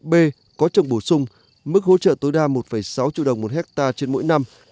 b có trồng bổ sung mức hỗ trợ tối đa một sáu triệu đồng một hectare trên mỗi năm